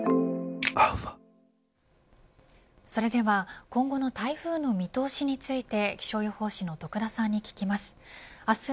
それでは今後の台風の見通しについて気象予報士の徳田さんに聞きます。